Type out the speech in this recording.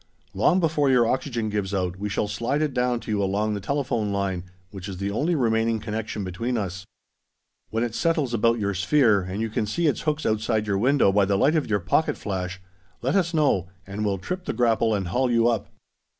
Long before your oxygen gives out, we shall slide it down to you along the telephone line, which is the only remaining connection between us. When it settles about your sphere, and you can see its hooks outside your window by the light of your pocket flash, let us know, and we'll trip the grapple and haul you up."